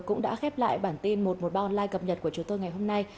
cũng đã khép lại bản tin một trăm một mươi ba online cập nhật của chúng tôi ngày hôm nay